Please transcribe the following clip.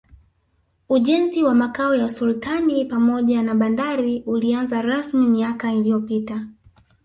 Ujenzi wa Makao ya Sultani pamoja na bandari ulianza rasmi miaka iliyopita